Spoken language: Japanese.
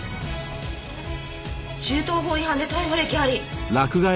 銃刀法違反で逮捕歴あり。